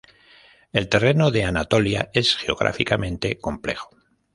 El terreno de Anatolia es geográficamente complejo.